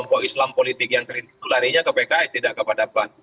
bahwa islam politik yang kritis itu larinya ke pks tidak kepada pan